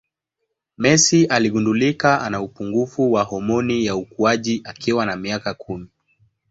Messi aligundulika ana upungufu wa homoni ya ukuaji akiwa na miaka kumi